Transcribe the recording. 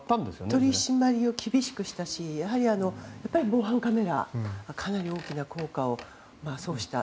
取り締まりを厳しくしたし防犯カメラがかなり大きな効果を奏した。